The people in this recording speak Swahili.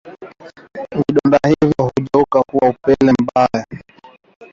Vidonda hivyo hugeuka kuwa upele mbaya